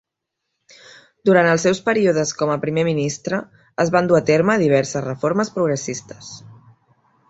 Durant els seus períodes com a primer ministre, es van dur a terme diverses reformes progressistes.